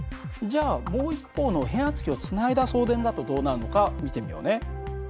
じゃあもう一方の変圧器をつないだ送電だとどうなるのか見てみようね。